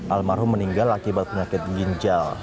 almarhum meninggal akibat penyakit ginjal